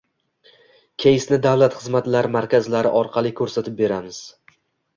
keysni davlat xizmatlari markazlari orqali ko‘rsatib beramiz.